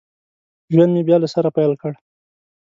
ژوند مې بیا له سره پیل کړ